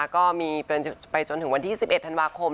ก็มีไปจนถึงวันที่๑๑ธันวาคม